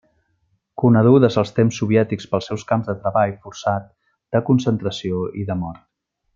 Conegudes als temps soviètics pels seus camps de treball forçat, de concentració i de mort.